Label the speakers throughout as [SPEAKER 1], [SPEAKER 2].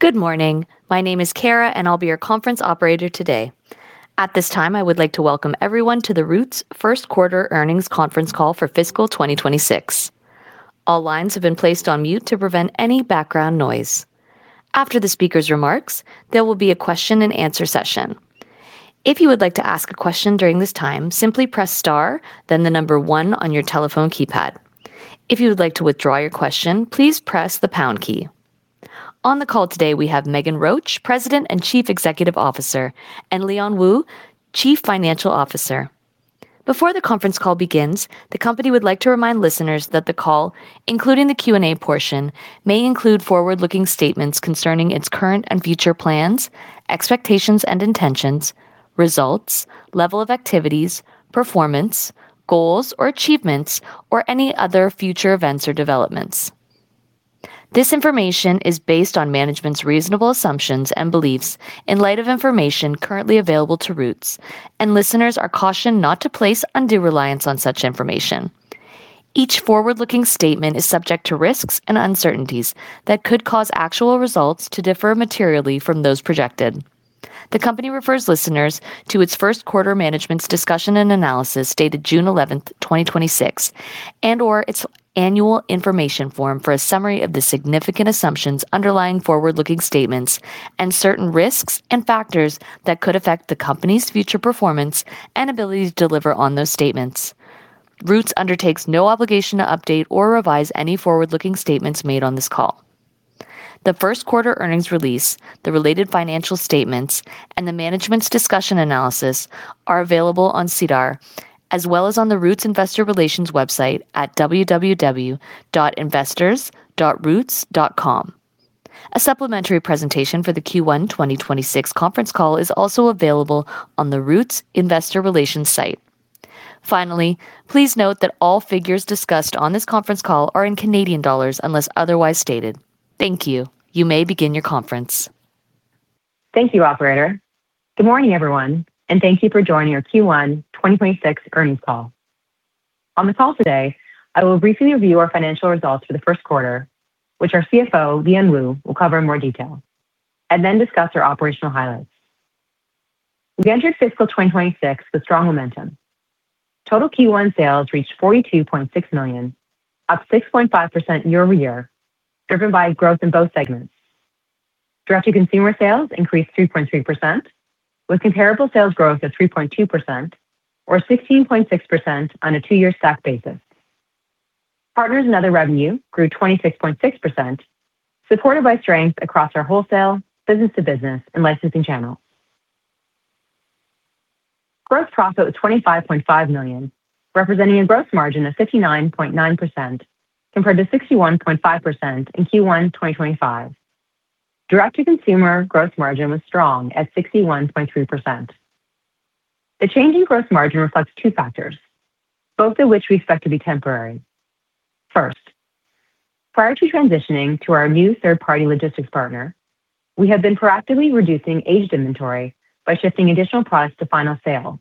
[SPEAKER 1] Good morning. My name is Kara, and I'll be your conference operator today. At this time, I would like to welcome everyone to the Roots first quarter earnings conference call for fiscal 2026. All lines have been placed on mute to prevent any background noise. After the speakers' remarks, there will be a question and answer session. If you would like to ask a question during this time, simply press star, then one on your telephone keypad. If you would like to withdraw your question, please press the pound key. On the call today, we have Meghan Roach, President and Chief Executive Officer, and Leon Wu, Chief Financial Officer. Before the conference call begins, the company would like to remind listeners that the call, including the Q&A portion, may include forward-looking statements concerning its current and future plans, expectations and intentions, results, level of activities, performance, goals or achievements, or any other future events or developments. This information is based on management's reasonable assumptions and beliefs in light of information currently available to Roots, and listeners are cautioned not to place undue reliance on such information. Each forward-looking statement is subject to risks and uncertainties that could cause actual results to differ materially from those projected. The company refers listeners to its first quarter management's discussion and analysis dated June 11, 2026, and/or its annual information form for a summary of the significant assumptions underlying forward-looking statements and certain risks and factors that could affect the company's future performance and ability to deliver on those statements. Roots undertakes no obligation to update or revise any forward-looking statements made on this call. The first quarter earnings release, the related financial statements, and the management's discussion analysis are available on SEDAR+ as well as on the Roots investor relations website at www.investors.roots.com. A supplementary presentation for the Q1 2026 conference call is also available on the Roots investor relations site. Finally, please note that all figures discussed on this conference call are in CAD, unless otherwise stated. Thank you. You may begin your conference.
[SPEAKER 2] Thank you, operator. Good morning, everyone, and thank you for joining our Q1 2026 earnings call. On the call today, I will briefly review our financial results for the first quarter, which our CFO, Leon Wu, will cover in more detail, and then discuss our operational highlights. We entered fiscal 2026 with strong momentum. Total Q1 sales reached 42.6 million, up 6.5% year-over-year, driven by growth in both segments. Direct-to-consumer sales increased 3.3%, with comparable sales growth of 3.2%, or 16.6% on a two-year stack basis. Partners and other revenue grew 26.6%, supported by strength across our wholesale, business-to-business, and licensing channels. Gross profit was 25.5 million, representing a gross margin of 59.9% compared to 61.5% in Q1 2025. direct-to-consumer gross margin was strong at 61.3%. The change in gross margin reflects two factors, both of which we expect to be temporary. First, prior to transitioning to our new third-party logistics partner, we have been proactively reducing aged inventory by shifting additional products to final sale,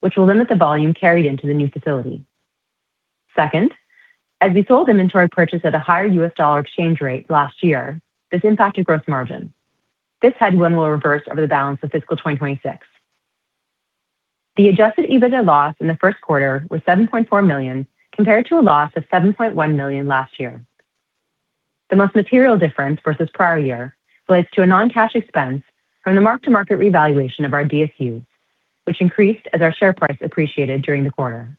[SPEAKER 2] which will limit the volume carried into the new facility. Second, as we sold inventory purchased at a higher U.S. dollar exchange rate last year, this impacted gross margin. This headwind will reverse over the balance of fiscal 2026. The Adjusted EBITDA loss in the first quarter was 7.4 million, compared to a loss of 7.1 million last year. The most material difference versus prior year relates to a non-cash expense from the mark-to-market revaluation of our DSUs, which increased as our share price appreciated during the quarter.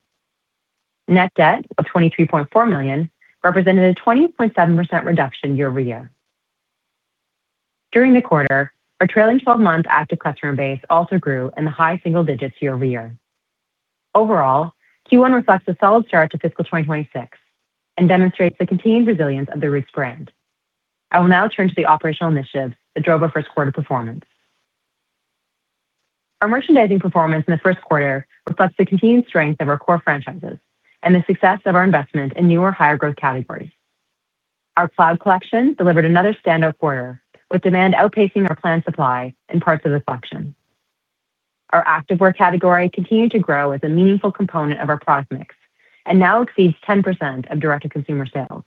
[SPEAKER 2] Net debt of 23.4 million represented a 20.7% reduction year-over-year. During the quarter, our trailing 12-month active customer base also grew in the high single digits year-over-year. Overall, Q1 reflects a solid start to fiscal 2026 and demonstrates the continued resilience of the Roots brand. I will now turn to the operational initiatives that drove our first quarter performance. Our merchandising performance in the first quarter reflects the continued strength of our core franchises and the success of our investment in newer, higher-growth categories. Our Cloud collection delivered another standout quarter, with demand outpacing our planned supply in parts of the collection. Our activewear category continued to grow as a meaningful component of our product mix and now exceeds 10% of direct-to-consumer sales.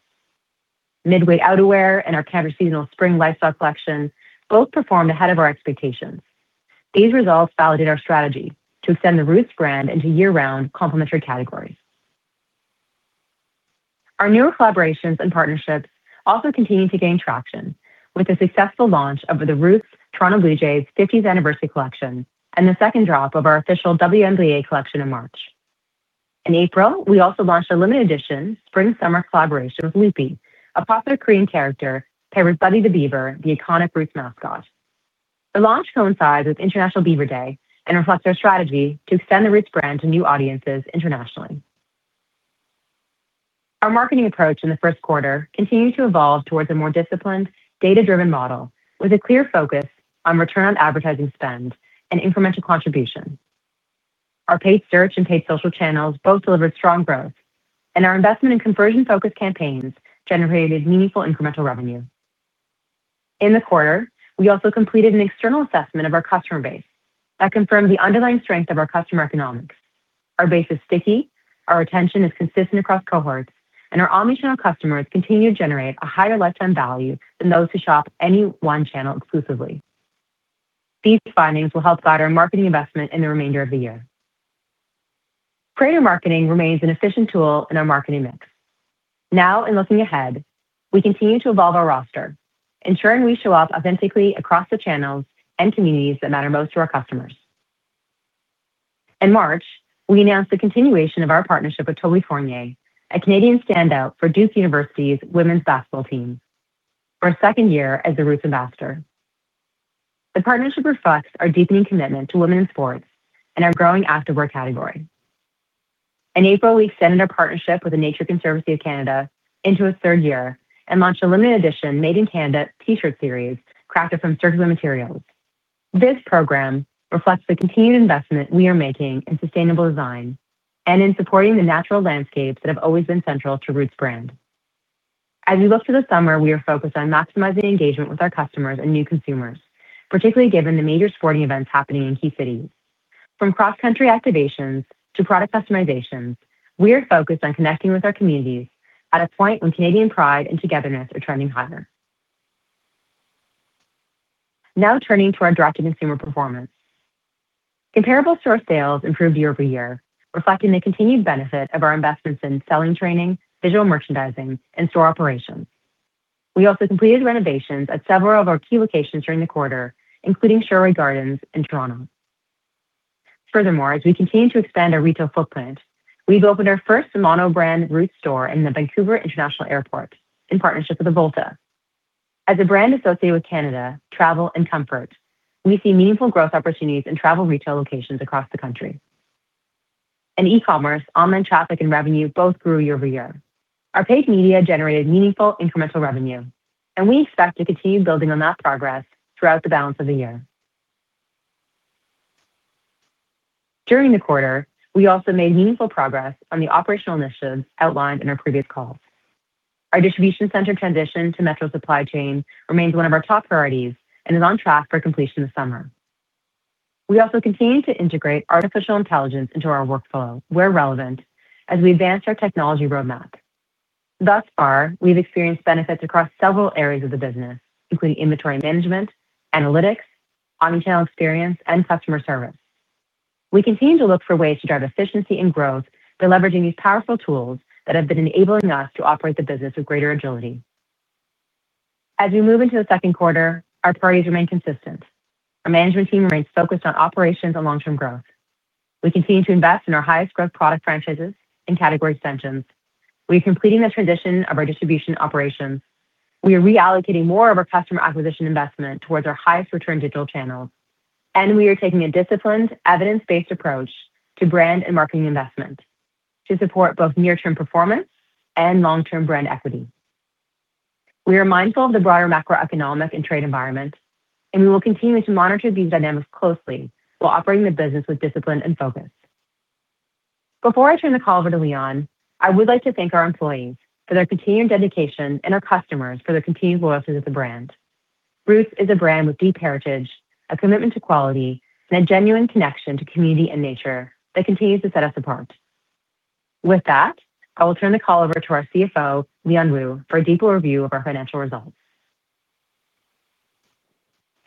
[SPEAKER 2] Midweight outerwear and our counter seasonal spring lifestyle collection both performed ahead of our expectations. These results validate our strategy to extend the Roots brand into year-round complementary categories. Our newer collaborations and partnerships also continue to gain traction with the successful launch of the Roots Toronto Blue Jays 50th Anniversary Collection and the second drop of our official WNBA collection in March. In April, we also launched a limited edition spring/summer collaboration with Loopy, a popular Korean character pairing Buddy the Beaver, the iconic Roots mascot. The launch coincides with International Beaver Day and reflects our strategy to extend the Roots brand to new audiences internationally. Our marketing approach in the first quarter continued to evolve towards a more disciplined, data-driven model with a clear focus on return on advertising spend and incremental contribution. Our paid search and paid social channels both delivered strong growth, and our investment in conversion-focused campaigns generated meaningful incremental revenue. In the quarter, we also completed an external assessment of our customer base that confirmed the underlying strength of our customer economics. Our base is sticky, our retention is consistent across cohorts, and our omni-channel customers continue to generate a higher lifetime value than those who shop any one channel exclusively. These findings will help guide our marketing investment in the remainder of the year. Creator marketing remains an efficient tool in our marketing mix. In looking ahead, we continue to evolve our roster, ensuring we show up authentically across the channels and communities that matter most to our customers. In March, we announced the continuation of our partnership with Toby Fournier, a Canadian standout for Duke University's women's basketball team, for a second year as the Roots Ambassador. The partnership reflects our deepening commitment to women in sports and our growing activewear category. In April, we extended our partnership with the Nature Conservancy of Canada into a third year and launched a limited edition made in Canada T-shirt series crafted from circular materials. This program reflects the continued investment we are making in sustainable design and in supporting the natural landscapes that have always been central to Roots' brand. As we look to the summer, we are focused on maximizing engagement with our customers and new consumers, particularly given the major sporting events happening in key cities. From cross-country activations to product customizations, we are focused on connecting with our communities at a point when Canadian pride and togetherness are trending higher. Turning to our direct-to-consumer performance. Comparable store sales improved year-over-year, reflecting the continued benefit of our investments in selling training, visual merchandising, and store operations. We also completed renovations at several of our key locations during the quarter, including Sherway Gardens in Toronto. As we continue to expand our retail footprint, we've opened our first mono-brand Roots store in the Vancouver International Airport in partnership with Volta. As a brand associated with Canada, travel, and comfort, we see meaningful growth opportunities in travel retail locations across the country. In e-commerce, online traffic and revenue both grew year-over-year. Our paid media generated meaningful incremental revenue, we expect to continue building on that progress throughout the balance of the year. During the quarter, we also made meaningful progress on the operational initiatives outlined in our previous calls. Our distribution center transition to Metro Supply Chain remains one of our top priorities and is on track for completion this summer. We also continue to integrate artificial intelligence into our workflow where relevant as we advance our technology roadmap. Thus far, we've experienced benefits across several areas of the business, including inventory management, analytics, omni-channel experience, and customer service. We continue to look for ways to drive efficiency and growth by leveraging these powerful tools that have been enabling us to operate the business with greater agility. As we move into the second quarter, our priorities remain consistent. Our management team remains focused on operations and long-term growth. We continue to invest in our highest growth product franchises and category extensions. We are completing the transition of our distribution operations. We are reallocating more of our customer acquisition investment towards our highest return digital channels. We are taking a disciplined, evidence-based approach to brand and marketing investment to support both near-term performance and long-term brand equity. We are mindful of the broader macroeconomic and trade environment, we will continue to monitor these dynamics closely while operating the business with discipline and focus. Before I turn the call over to Leon, I would like to thank our employees for their continued dedication and our customers for their continued loyalty to the brand. Roots is a brand with deep heritage, a commitment to quality, and a genuine connection to community and nature that continues to set us apart. With that, I will turn the call over to our CFO, Leon Wu, for a deeper review of our financial results.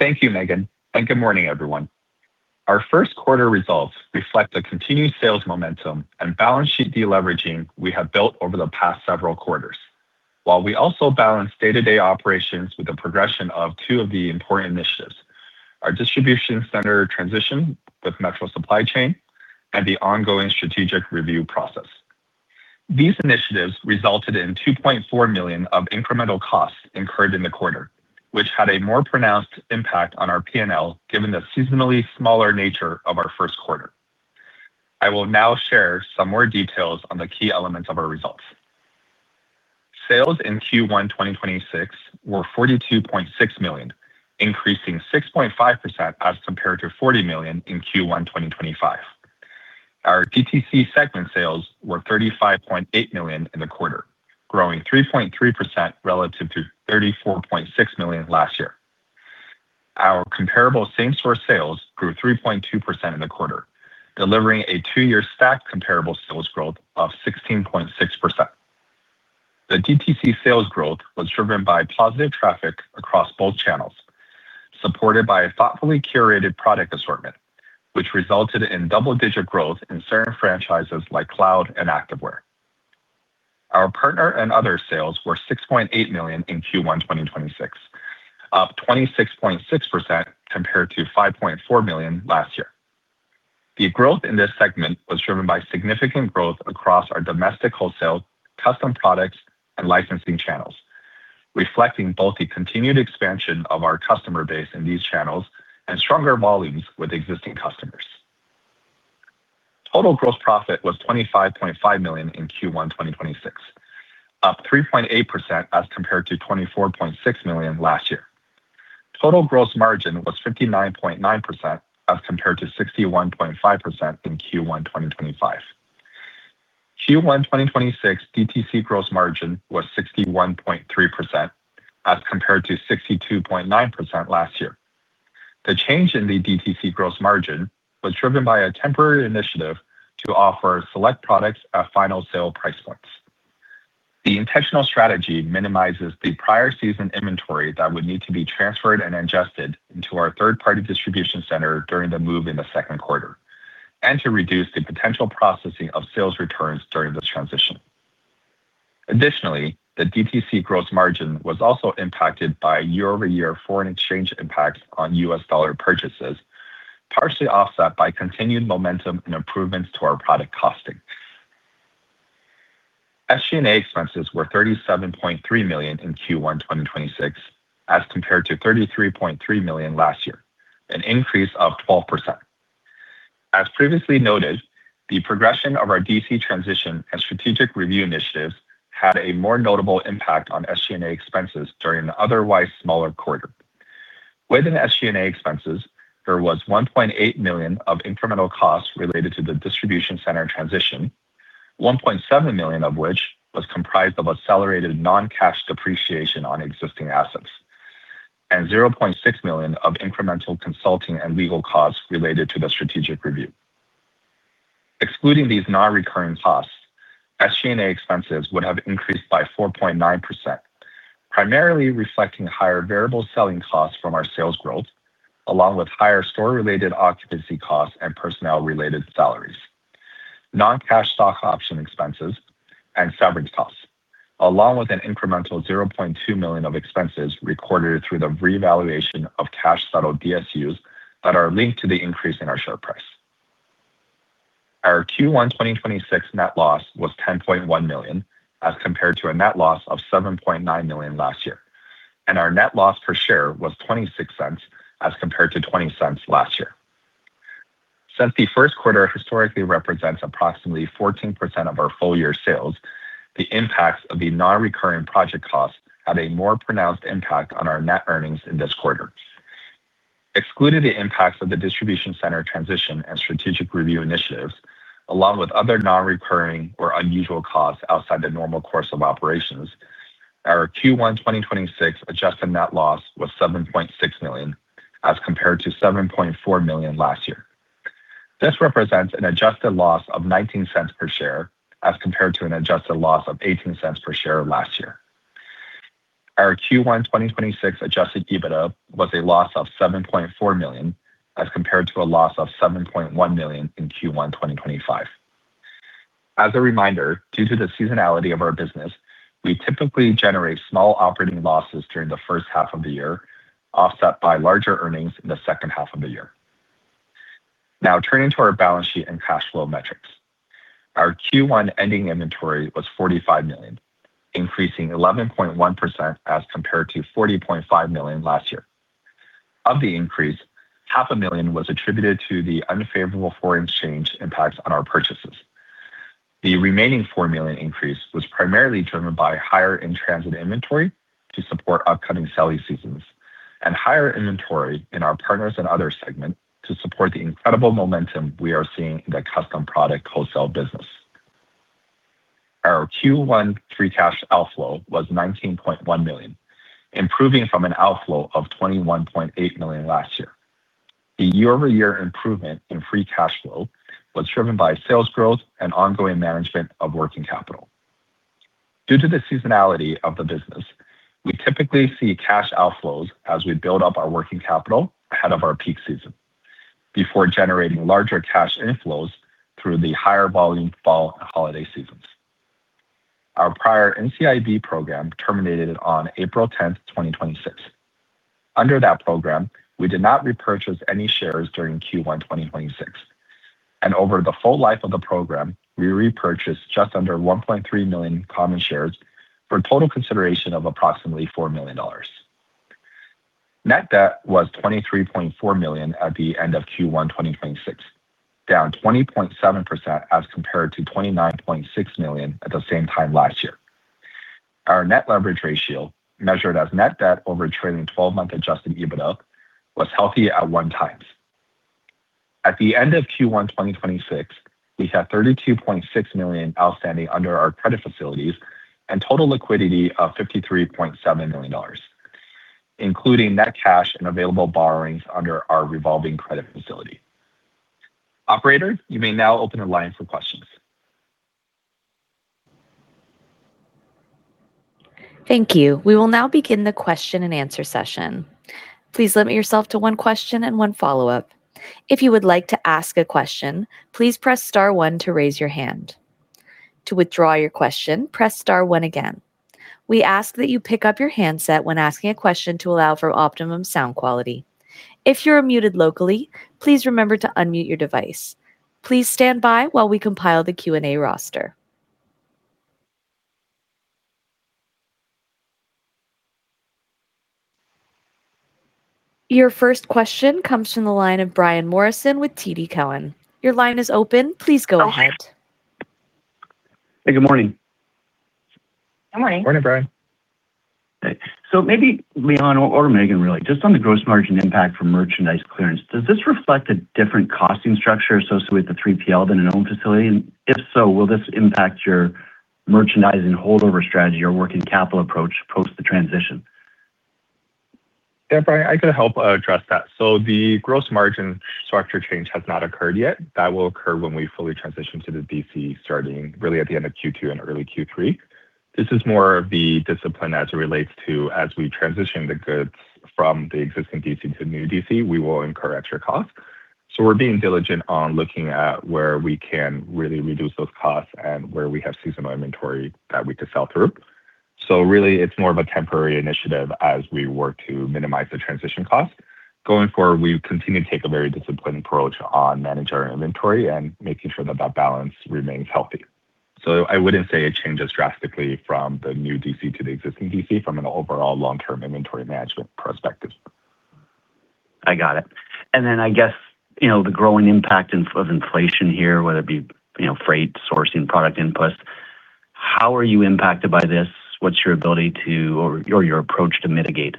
[SPEAKER 3] Thank you, Meghan, good morning, everyone. Our first quarter results reflect the continued sales momentum and balance sheet deleveraging we have built over the past several quarters, while we also balance day-to-day operations with the progression of two of the important initiatives, our distribution center transition with Metro Supply Chain and the ongoing strategic review process. These initiatives resulted in 2.4 million of incremental costs incurred in the quarter, which had a more pronounced impact on our P&L, given the seasonally smaller nature of our first quarter. I will now share some more details on the key elements of our results. Sales in Q1 2026 were 42.6 million, increasing 6.5% as compared to 40 million in Q1 2025. Our DTC segment sales were 35.8 million in the quarter, growing 3.3% relative to 34.6 million last year. Our comparable same-store sales grew 3.2% in the quarter, delivering a two-year stacked comparable sales growth of 16.6%. The DTC sales growth was driven by positive traffic across both channels, supported by a thoughtfully curated product assortment, which resulted in double-digit growth in certain franchises like cloud and activewear. Our partner and other sales were 6.8 million in Q1 2026, up 26.6% compared to 5.4 million last year. The growth in this segment was driven by significant growth across our domestic wholesale, custom products, and licensing channels, reflecting both the continued expansion of our customer base in these channels and stronger volumes with existing customers. Total gross profit was 25.5 million in Q1 2026, up 3.8% as compared to 24.6 million last year. Total gross margin was 59.9% as compared to 61.5% in Q1 2025. Q1 2026 DTC gross margin was 61.3%, as compared to 62.9% last year. The change in the DTC gross margin was driven by a temporary initiative to offer select products at final sale price points. The intentional strategy minimizes the prior season inventory that would need to be transferred and adjusted into our third-party distribution center during the move in the second quarter, and to reduce the potential processing of sales returns during this transition. Additionally, the DTC gross margin was also impacted by year-over-year foreign exchange impacts on U.S. dollar purchases, partially offset by continued momentum and improvements to our product costing. SG&A expenses were 37.3 million in Q1 2026 as compared to 33.3 million last year, an increase of 12%. As previously noted, the progression of our DC transition and strategic review initiatives had a more notable impact on SG&A expenses during an otherwise smaller quarter. Within SG&A expenses, there was 1.8 million of incremental costs related to the distribution center transition, 1.7 million of which was comprised of accelerated non-cash depreciation on existing assets, and 0.6 million of incremental consulting and legal costs related to the strategic review. Excluding these non-recurring costs, SG&A expenses would have increased by 4.9%, primarily reflecting higher variable selling costs from our sales growth, along with higher store-related occupancy costs and personnel-related salaries, non-cash stock option expenses and severance costs, along with an incremental 0.2 million of expenses recorded through the revaluation of cash settled DSUs that are linked to the increase in our share price. Our Q1 2026 net loss was 10.1 million as compared to a net loss of 7.9 million last year, and our net loss per share was 0.26 as compared to 0.20 last year. Since the first quarter historically represents approximately 14% of our full year sales, the impacts of the non-recurring project costs had a more pronounced impact on our net earnings in this quarter. Excluding the impacts of the distribution center transition and strategic review initiatives, along with other non-recurring or unusual costs outside the normal course of operations, our Q1 2026 adjusted net loss was 7.6 million as compared to 7.4 million last year. This represents an adjusted loss of 0.19 per share as compared to an adjusted loss of 0.18 per share last year. Our Q1 2026 Adjusted EBITDA was a loss of 7.4 million, as compared to a loss of 7.1 million in Q1 2025. Turning to our balance sheet and cash flow metrics. Our Q1 ending inventory was 45 million, increasing 11.1% as compared to 40.5 million last year. Of the increase, CAD half a million was attributed to the unfavorable foreign change impacts on our purchases. The remaining 4 million increase was primarily driven by higher in-transit inventory to support upcoming selling seasons and higher inventory in our partners and other segments to support the incredible momentum we are seeing in the custom product wholesale business. Our Q1 free cash outflow was 19.1 million, improving from an outflow of 21.8 million last year. The year-over-year improvement in free cash flow was driven by sales growth and ongoing management of working capital. Due to the seasonality of the business, we typically see cash outflows as we build up our working capital ahead of our peak season before generating larger cash inflows through the higher volume fall and holiday seasons. Our prior NCIB program terminated on April 10, 2026. Under that program, we did not repurchase any shares during Q1 2026, and over the full life of the program, we repurchased just under 1.3 million common shares for a total consideration of approximately 4 million dollars. Net debt was 23.4 million at the end of Q1 2026, down 20.7% as compared to 29.6 million at the same time last year. Our net leverage ratio, measured as net debt over trailing 12-month Adjusted EBITDA, was healthy at one times. At the end of Q1 2026, we had 32.6 million outstanding under our credit facilities and total liquidity of 53.7 million dollars, including net cash and available borrowings under our revolving credit facility. Operator, you may now open the line for questions.
[SPEAKER 1] Thank you. We will now begin the question and answer session. Please limit yourself to one question and one follow-up. If you would like to ask a question, please press star one to raise your hand. To withdraw your question, press star one again. We ask that you pick up your handset when asking a question to allow for optimum sound quality. If you are muted locally, please remember to unmute your device. Please stand by while we compile the Q&A roster. Your first question comes from the line of Brian Morrison with TD Cowen. Your line is open. Please go ahead.
[SPEAKER 4] Hey, good morning.
[SPEAKER 2] Good morning.
[SPEAKER 3] Morning, Brian.
[SPEAKER 4] Hey. Maybe Leon or Meghan, really, just on the gross margin impact from merchandise clearance, does this reflect a different costing structure associated with the 3PL than an owned facility? If so, will this impact your merchandising holdover strategy or working capital approach post the transition?
[SPEAKER 3] Yeah, Brian, I could help address that. The gross margin structure change has not occurred yet. That will occur when we fully transition to the DC, starting really at the end of Q2 and early Q3. This is more of the discipline as it relates to as we transition the goods from the existing DC to the new DC, we will incur extra costs. We're being diligent on looking at where we can really reduce those costs and where we have seasonal inventory that we could sell through. Really, it's more of a temporary initiative as we work to minimize the transition cost. Going forward, we continue to take a very disciplined approach on manage our inventory and making sure that that balance remains healthy. I wouldn't say it changes drastically from the new DC to the existing DC from an overall long-term inventory management perspective.
[SPEAKER 4] I got it. I guess, the growing impact of inflation here, whether it be freight, sourcing, product input, how are you impacted by this? What's your ability to or your approach to mitigate?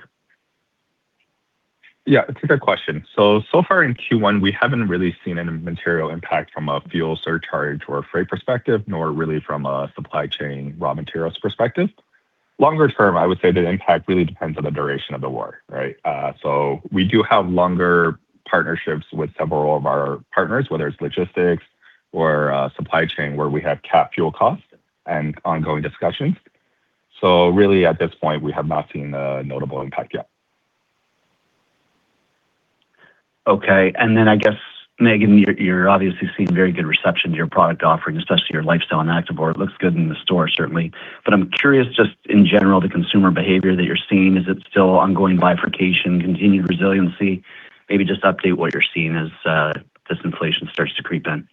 [SPEAKER 3] Yeah, it's a good question. So far in Q1, we haven't really seen any material impact from a fuel surcharge or a freight perspective, nor really from a supply chain raw materials perspective. Longer-term, I would say the impact really depends on the duration of the war, right? We do have longer partnerships with several of our partners, whether it's logistics or supply chain, where we have capped fuel costs and ongoing discussions. Really at this point, we have not seen a notable impact yet.
[SPEAKER 4] Okay. I guess, Meghan, you're obviously seeing very good reception to your product offering, especially your lifestyle and activewear. It looks good in the store certainly, I'm curious just in general, the consumer behavior that you're seeing. Is it still ongoing bifurcation, continued resiliency? Maybe just update what you're seeing as this inflation starts to creep in.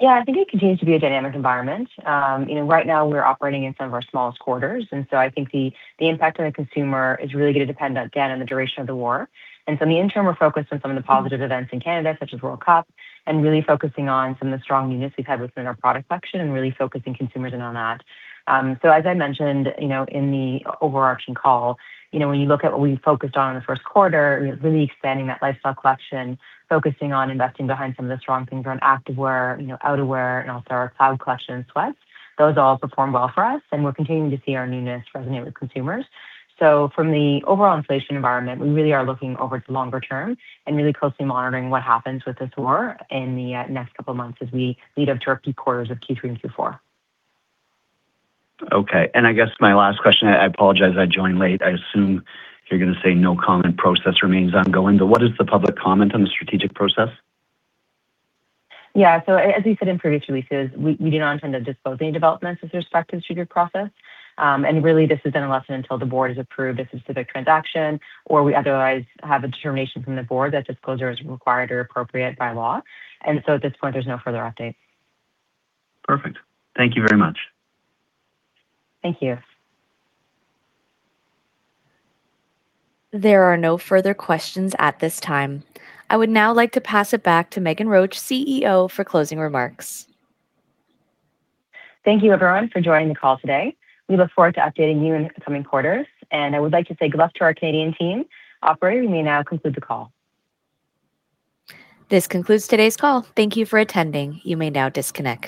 [SPEAKER 2] Yeah, I think it continues to be a dynamic environment. Right now, we're operating in some of our smallest quarters, I think the impact on the consumer is really going to depend, again, on the duration of the war. In the interim, we're focused on some of the positive events in Canada, such as World Cup, and really focusing on some of the strong newness we've had within our product section and really focusing consumers in on that. As I mentioned in the overarching call, when you look at what we focused on in the first quarter, really expanding that lifestyle collection, focusing on investing behind some of the strong things around activewear, outerwear, and also our Cloud collection sweats. Those all perform well for us, and we're continuing to see our newness resonate with consumers. From the overall inflation environment, we really are looking over to longer term and really closely monitoring what happens with this war in the next couple of months as we lead up to our peak quarters of Q3 and Q4.
[SPEAKER 4] Okay. I guess my last question, I apologize, I joined late. I assume you're going to say no comment, process remains ongoing, what is the public comment on the strategic process?
[SPEAKER 2] As we said in previous releases, we do not intend to disclose any developments with respect to the strategic process. Really this is unless and until the board has approved a specific transaction, or we otherwise have a determination from the board that disclosure is required or appropriate by law. At this point, there is no further update.
[SPEAKER 4] Perfect. Thank you very much.
[SPEAKER 2] Thank you.
[SPEAKER 1] There are no further questions at this time. I would now like to pass it back to Meghan Roach, CEO, for closing remarks.
[SPEAKER 2] Thank you, everyone, for joining the call today. We look forward to updating you in the coming quarters, and I would like to say good luck to our Canadian team. Operator, you may now conclude the call.
[SPEAKER 1] This concludes today's call. Thank you for attending. You may now disconnect.